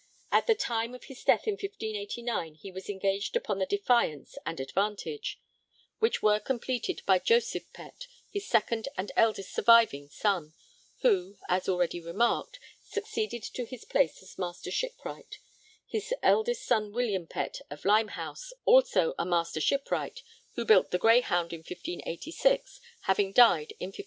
At the time of his death in 1589 he was engaged upon the Defiance and Advantage, which were completed by Joseph Pett, his second and eldest surviving son, who, as already remarked, succeeded to his place as Master Shipwright, his eldest son William Pett of Limehouse, also a Master Shipwright, who built the Greyhound in 1586, having died in 1587.